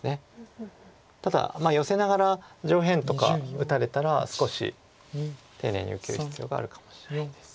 ただヨセながら上辺とか打たれたら少し丁寧に受ける必要があるかもしれないです。